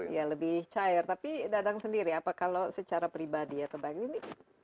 ya lebih cair tapi dadang sendiri apa kalau secara pribadi atau bagi ini